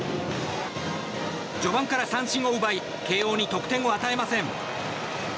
序盤から三振を奪い慶応に得点を与えません。